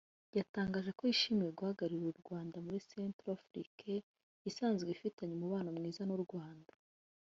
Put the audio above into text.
yatangaje ko yishimiye guhagararira u Rwanda muri Centrafrique isanzwe ifitanye umubano mwiza n’u Rwanda